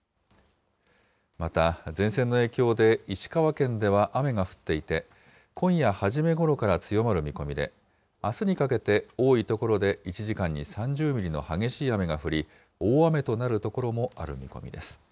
また前線の影響で、石川県では雨が降っていて、今夜初めごろから強まる見込みで、あすにかけて多い所で、１時間に３０ミリの激しい雨が降り、大雨となる所もある見込みです。